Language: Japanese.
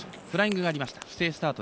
フライングがありました。